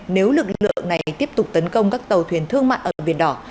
nếu lực lượng này tiếp tục tấn công các tàu thuyền thương mại ở biển đỏ